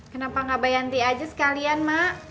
kenapa gak bayanti aja sekalian mak